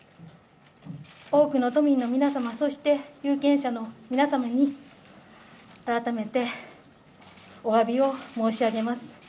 多くの都民の皆様、そして有権者の皆様に、改めておわびを申し上げます。